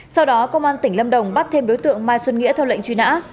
sau đó công an tỉnh lâm đồng bắt thêm đối tượng mai xuân nghĩa theo lệnh truy nã